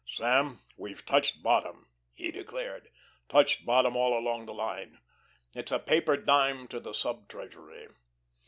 "Sam, we've touched bottom," he declared, "touched bottom all along the line. It's a paper dime to the Sub Treasury."